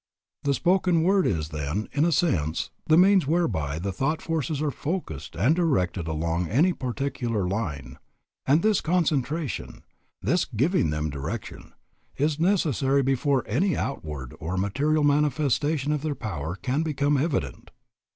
The spoken word is then, in a sense, the means whereby the thought forces are focused and directed along any particular line; and this concentration, this giving them direction, is necessary before any outward or material manifestation of their power can become evident.